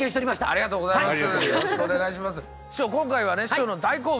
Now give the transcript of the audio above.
ありがとうございます。